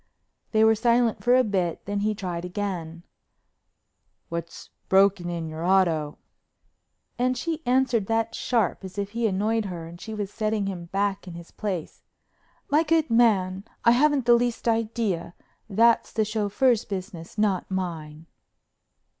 They were silent for a bit, then he tried again: "What's broke in your auto?" And she answered that sharp as if he annoyed her and she was setting him back in his place: "My good man, I haven't the least idea. That's the chauffeur's business, not mine."